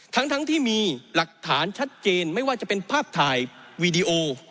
ทั้งที่มีหลักฐานชัดเจนไม่ว่าจะเป็นภาพถ่ายวีดีโอ